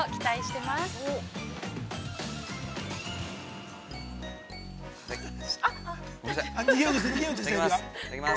◆いただきます。